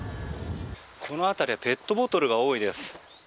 この辺りはペットボトルが多いです。